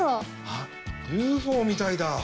あっＵＦＯみたいだ。